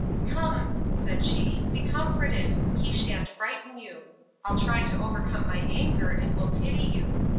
Come, said she, be comforted; he shan't frighten you!—I'll try to overcome my anger, and will pity you.